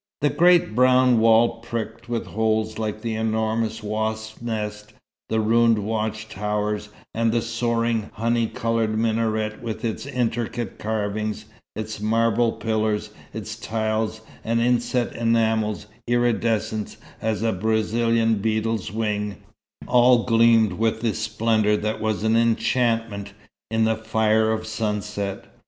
The great brown wall pricked with holes like an enormous wasp's nest, the ruined watch towers, and the soaring, honey coloured minaret with its intricate carvings, its marble pillars, its tiles and inset enamels iridescent as a Brazilian beetle's wing, all gleamed with a splendour that was an enchantment, in the fire of sunset.